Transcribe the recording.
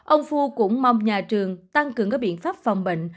ông phu cũng mong nhà trường tăng cường các biện pháp phòng bệnh